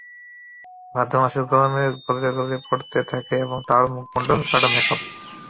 ভাদ্র মাসের গরমে গলে গলে পড়তে থাকে তার মুখমণ্ডলের গাঢ় মেকআপ।